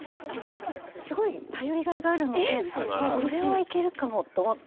すごい頼りがいがあるのでこれはいけるかもと思って。